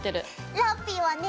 ラッピィはね